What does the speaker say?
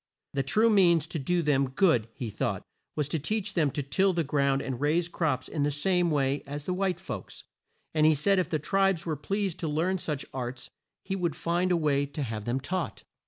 The true means to do them good, he thought, was to teach them to till the ground and raise crops in the same way as the white folks, and he said if the tribes were pleased to learn such arts, he would find a way to have them taught.